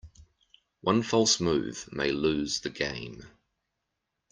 One false move may lose the game.